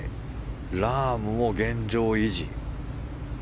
ラームも現状維持。